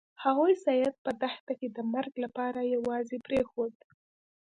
هغوی سید په دښته کې د مرګ لپاره یوازې پریښود.